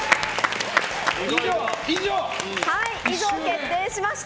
以上決定しました。